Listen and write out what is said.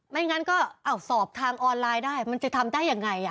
ไม่งั้นก็สอบทางออนไลน์ได้มันจะทำได้ยังไง